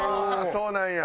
そうなんや。